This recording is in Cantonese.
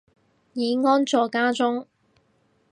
已安坐家中